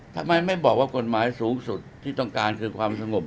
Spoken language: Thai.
ทำไมไม่บอกว่ากฎหมายสูงสุดที่ต้องการคือความสงบ